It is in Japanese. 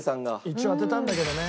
一応当てたんだけどね。